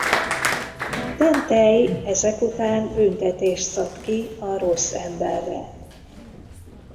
Ten-Tei ezek után büntetést szab ki a rossz emberre.